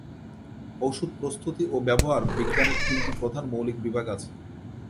ঔষধ প্রস্তুতি ও ব্যবহার বিজ্ঞানের তিনটি প্রধান মৌলিক বিভাগ আছে।